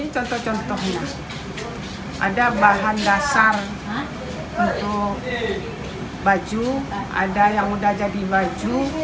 contoh contohnya ada bahan dasar untuk baju ada yang udah jadi baju